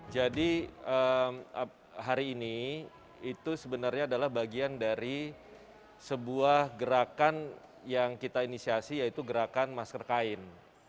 jadi hari ini itu sebenarnya adalah bagian dari sebuah gerakan yang kita inisiasi yaitu gerakan masker kain